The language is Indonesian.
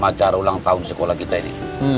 acara ulang tahun sekolah kita ini